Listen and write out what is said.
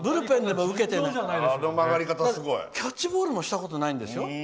キャッチボールもしたことないんですよ。